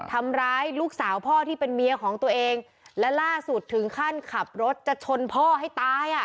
ทำร้ายลูกสาวพ่อที่เป็นเมียของตัวเองและล่าสุดถึงขั้นขับรถจะชนพ่อให้ตายอ่ะ